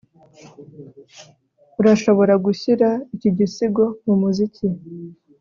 Urashobora gushyira iki gisigo mumuziki